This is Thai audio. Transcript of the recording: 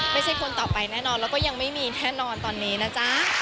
คนต่อไปแน่นอนแล้วก็ยังไม่มีแน่นอนตอนนี้นะจ๊ะ